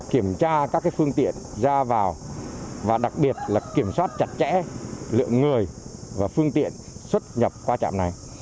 kiểm tra các phương tiện ra vào và đặc biệt là kiểm soát chặt chẽ lượng người và phương tiện xuất nhập qua trạm này